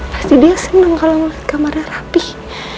pasti dia seneng kalau ngeliat kamarnya rapih